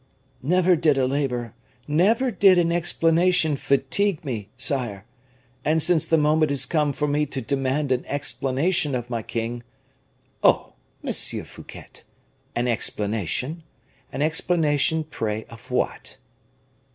"Never did a labor never did an explanation fatigue me, sire; and since the moment is come for me to demand an explanation of my king " "Oh, Monsieur Fouquet! an explanation? An explanation, pray, of what?"